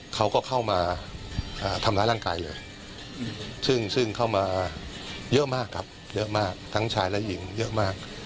เขาก็เข้ามาทำร้ายร่างกายเลยซึ่งเข้ามาเยอะมากครับเยอะมากทั้งชายและหญิงเยอะมาก